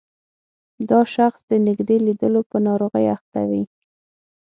دا شخص د نږدې لیدلو په ناروغۍ اخته وي.